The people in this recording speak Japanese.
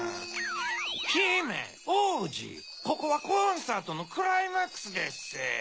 ここはコンサートのクライマックスでっせ。